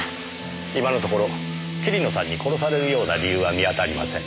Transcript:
今のところ桐野さんに殺されるような理由は見当たりません。